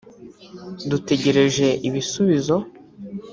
dutegereje ibisubizo